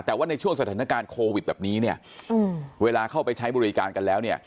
แต่ว่าในช่วงสถานการณ์โควิดแบบนี้เนี่ยเวลาเข้าไปใช้บริการกันแล้วเนี่ย